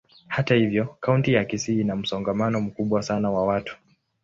Hata hivyo, kaunti ya Kisii ina msongamano mkubwa sana wa watu.